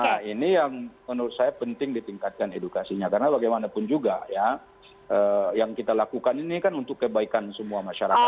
nah ini yang menurut saya penting ditingkatkan edukasinya karena bagaimanapun juga ya yang kita lakukan ini kan untuk kebaikan semua masyarakat